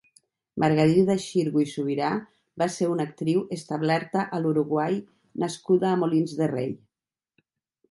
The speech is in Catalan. Margarida Xirgu i Subirà va ser una actriu establerta a l'Uruguai nascuda a Molins de Rei.